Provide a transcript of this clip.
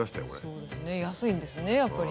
そうですね安いんですねやっぱり。